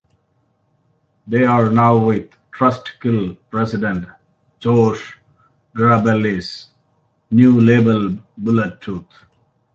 They are now with Trustkill president Josh Grabelle's new label Bullet Tooth.